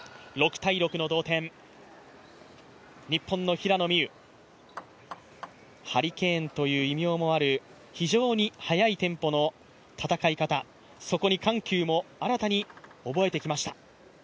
平野美宇、ハリケーンという異名もある非常に速いテンポの戦い方、そこに緩急も新たに覚えてきました。